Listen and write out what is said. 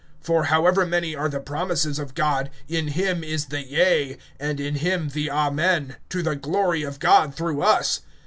(20)For however many are the promises of God, in him is the yea, and in him the Amen, to the glory of God through us.